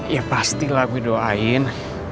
ya pasti lah gue doain